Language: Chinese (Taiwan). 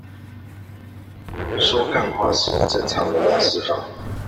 說幹話是正常能量釋放